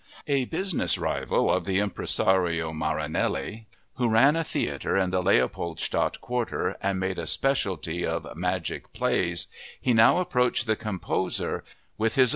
A business rival of the impresario Marinelli, who ran a theater in the Leopoldstadt quarter and made a specialty of "magic plays," he now approached the composer with his own Singspiel.